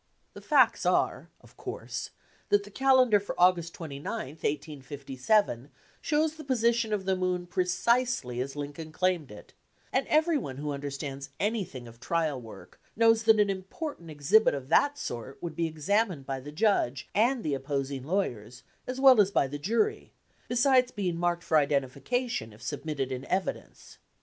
The facts are, of course, that the calendar for August 29, 1857, shows the position of the moon precisely as Lin coln claimed it, 1 and every one who understands anything of trial work knows that an important exhibit of that sort would be examined by the judge and the opposing lawyers as well as by the jury, besides being marked for identification if submitted in evidence.